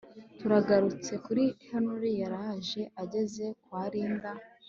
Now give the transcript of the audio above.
Tugarutse kuri Henry yaraje ageze kwa Linda